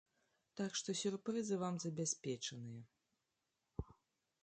Так што сюрпрызы вам забяспечаныя!